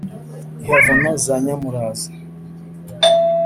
ihavuna za nyamuraza.